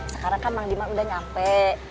sekarang kan bang liman udah nyampai